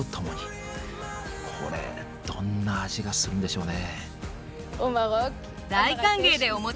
これどんな味がするんでしょうね。